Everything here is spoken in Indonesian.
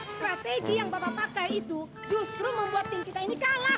strategi yang bapak pakai itu justru membuat tim kita ini kalah